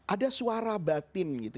ada suara batin gitu